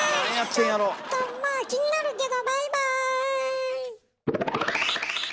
ちょっとまあ気になるけどバイバーイ。